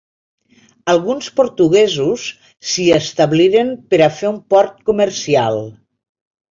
Alguns portuguesos s'hi establiren per a fer un port comercial.